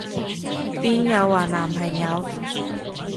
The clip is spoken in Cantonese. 邊有話男朋友？